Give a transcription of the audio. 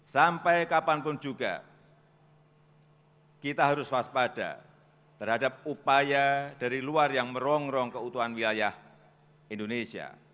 sampai kapanpun juga kita harus waspada terhadap upaya dari luar yang merongrong keutuhan wilayah indonesia